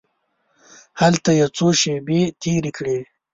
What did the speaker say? هلته یې څو شپې تېرې کړې.